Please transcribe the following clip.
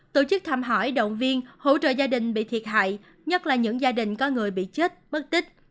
tổ chức thăm hỏi động viên hỗ trợ gia đình bị thiệt hại nhất là những gia đình có người bị chết mất tích